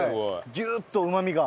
ギューッとうまみが。